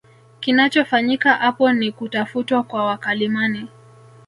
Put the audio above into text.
Kinachofanyika apo ni kutafutwa kwa wakalimani